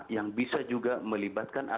yang bisa juga melibatkan